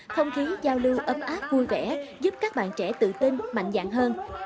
không khí giao lưu ấm áp vui vẻ giúp các bạn trẻ tự tin mạnh dạng hơn